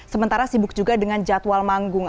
sementara sibuk juga dengan jadwal manggung